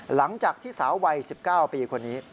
หลังจากที่สาววัย๑๙ปีคนนี้